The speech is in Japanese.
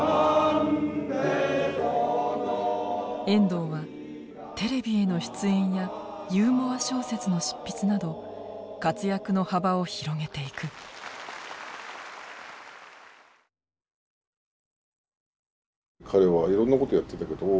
遠藤はテレビへの出演やユーモア小説の執筆など活躍の幅を広げていく。というようなことも必要である。